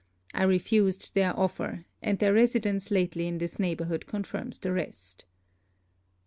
I refused their offer; and their residence lately in this neighbourhood confirms the rest.'